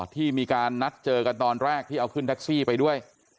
ที่มีการนัดเจอกันตอนแรกที่เอาขึ้นแท็กซี่ไปด้วย